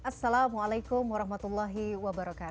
assalamualaikum wr wb